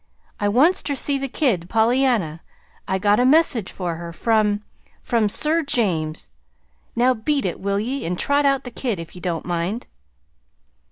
I wants ter see the kid, Pollyanna. I got a message for her from from Sir James. Now beat it, will ye, and trot out the kid, if ye don't mind."